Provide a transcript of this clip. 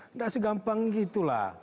tidak segampang gitu lah